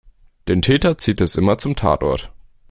Den Täter zieht es immer zum Tatort.